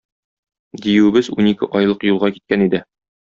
Диюебез унике айлык юлга киткән иде.